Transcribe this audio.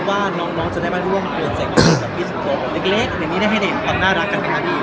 ความว่าน้องน้องจะได้มาร่วมกับพี่สิงโตเล็กเล็กอย่างนี้ได้ให้เห็น